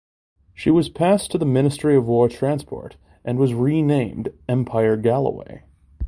She was passed to the Ministry of War Transport and was renamed "Empire Galway".